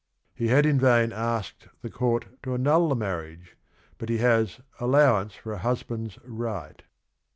He had in vain asked the court to annul the marriage, but he has "allowance for a husband's right."